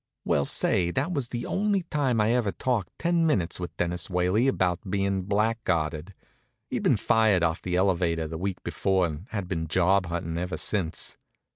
Well, say, that was the only time I ever talked ten minutes with Dennis Whaley without bein' blackguarded. He'd been fired off the elevator the week before and had been job huntin' ever since.